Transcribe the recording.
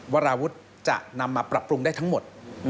วราวุฒิจะนำมาปรับปรุงได้ทั้งหมด